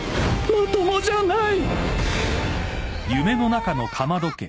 まともじゃない